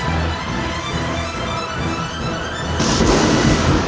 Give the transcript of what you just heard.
aku akan menang